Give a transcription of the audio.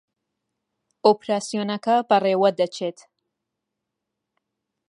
ئۆپراسیۆنەکە بەڕێوە دەچێت